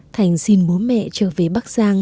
thành xin bố mẹ trở về bắc giang